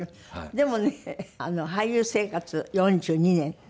でもね俳優生活４２年。